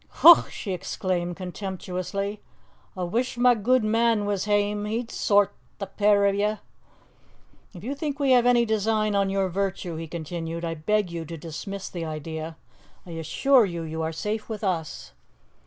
"Heuch!" she exclaimed contemptuously. "A' wish ma gudeman was hame. He'd sort the pair o' ye!" "If you think we have any design on your virtue," he continued, "I beg you to dismiss the idea. I assure you, you are safe with us.